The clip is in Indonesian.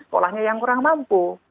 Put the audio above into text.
sekolahnya yang kurang mampu